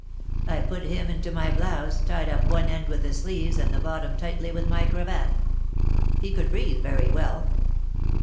I put him into my blouse, tying up one end with the sleeves and the bottom tightly with my cravat. He could breathe very well.